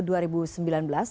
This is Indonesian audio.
dalam partai ini